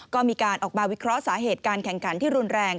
ก็มีการออกมาวิเคราะห์สาเหตุการแข่งขันที่รุนแรง